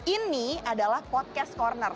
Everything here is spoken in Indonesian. ini adalah podcast corner